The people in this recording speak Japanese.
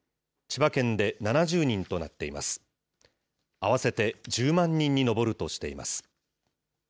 合わせて１０万人に上るとしています。